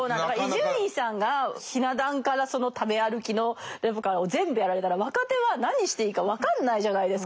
伊集院さんがひな壇からその食べ歩きのレポからを全部やられたら若手は何していいか分かんないじゃないですか。